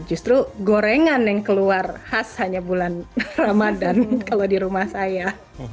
justru gorengan yang keluar khas hanya bulan ramadhan kalau di rumah saya